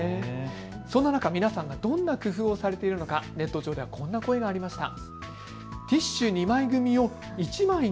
そんな中、皆さんがどんな工夫をされているのか、ネット上ではこんな声がありました。